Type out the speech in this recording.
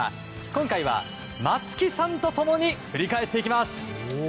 今回は松木さんと共に振り返っていきます。